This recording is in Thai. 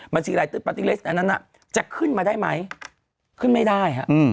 บัญชีรายชื่อปาร์ตี้ลิสต์อันนั้นจะขึ้นมาได้ไหมขึ้นไม่ได้ครับ